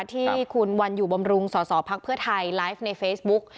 ที่คุณวันอยู่บำรุงสสพักเพื่อไทยไลฟ์ในเฟซบุ๊ก